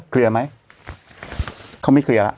เคลียร์ไหมเขาไม่เคลียร์แล้ว